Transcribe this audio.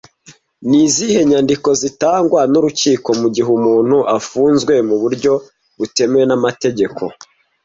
Ni izihe nyandiko zitangwa n'urukiko mu gihe umuntu afunzwe mu buryo butemewe n'amategeko